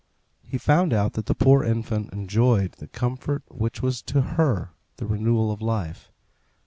He found out that the poor infant enjoyed the comfort which was to her the renewal of life.